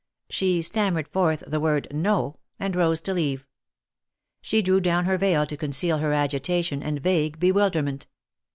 She stammered forth the word, No," and rose to leave. She drew down her veil to conceal her agitation and vague bewilderment.